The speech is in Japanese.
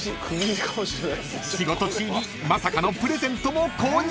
［仕事中にまさかのプレゼントも購入］